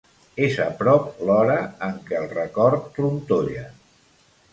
És a prop l'hora en què el record trontolla.